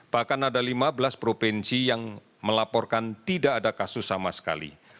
bahkan ada lima belas provinsi yang melaporkan tidak ada kasus sama sekali